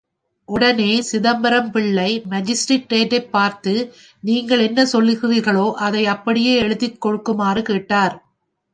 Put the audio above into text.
உடனே சிதம்பரம் பிள்ளை மாஜிஸ்திரேட்டைப் பார்த்து, நீங்கள் என்ன சொன்னீர்களோ அதை அப்படியே எழுதிக் கொடுக்குமாறு கேட்டார்.